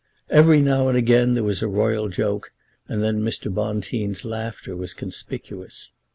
Every now and again there was a royal joke, and then Mr. Bonteen's laughter was conspicuous.